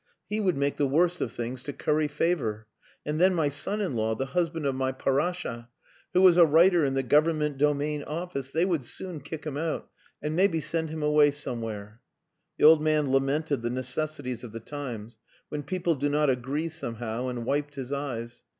He would make the worst of things to curry favour. And then my son in law, the husband of my Parasha, who is a writer in the Government Domain office; they would soon kick him out and maybe send him away somewhere." The old man lamented the necessities of the times "when people do not agree somehow" and wiped his eyes.